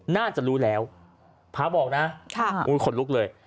น่าจะรู้แล้วพระบอกนะอุ้ยขนลุกเลย